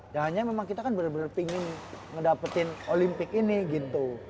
ya hanya memang kita kan bener bener pingin ngedapetin olimpik ini gitu